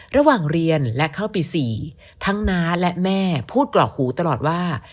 ระหว่างเรียนและเข้าปี๔ทั้งน้าและแม่พูดกรอกหูตลอดว่า